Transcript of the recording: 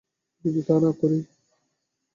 যদি তা না করি?